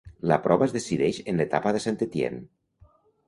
La prova es decideix en l'etapa de Saint-Étienne.